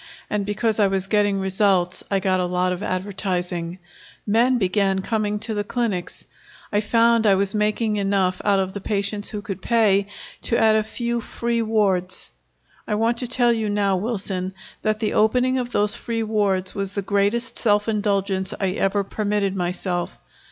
And because I was getting results I got a lot of advertising. Men began coming to the clinics. I found I was making enough out of the patients who could pay to add a few free wards. I want to tell you now, Wilson, that the opening of those free wards was the greatest self indulgence I ever permitted myself.